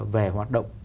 về hoạt động